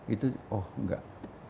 itu oh enggak